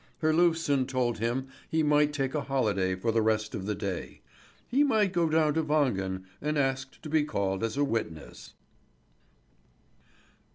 Herlufsen told him he might take a holiday for the rest of the day. He might go down to Wangen and ask to be called as a witness.